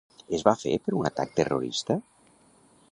Es va fer per un atac terrorista?